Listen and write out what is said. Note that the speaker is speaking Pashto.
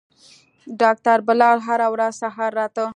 ډاکتر بلال هره ورځ سهار راته.